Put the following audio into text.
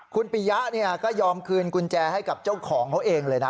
คุณปียะก็ยอมคืนกุญแจให้กับเจ้าของเขาเองเลยนะ